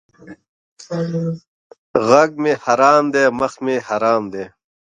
ږغ مې حرام دی مخ مې حرام دی!